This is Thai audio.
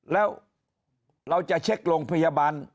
แล้วเราจะเช็คโรงพยาบาล